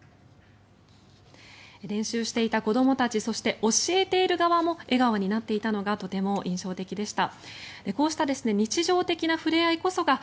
練習していた子どもたちそして、教えている側も笑顔になっていたのがとても印象的でした。